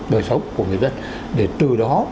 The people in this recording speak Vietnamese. đời sống của người dân để từ đó